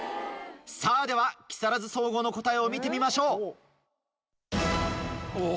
さぁでは木更津総合の答えを見てみましょう。